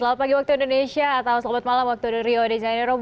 selamat pagi waktu indonesia atau selamat malam waktu di rio de janeiro